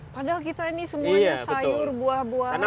padahal kita ini semuanya sayur buah buahan